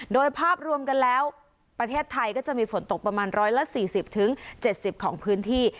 โดยภาพรวมกันแล้วประเทศไทยก็จะมีฝนตกประมาณ๑๔๐๗๐ของพื้นที่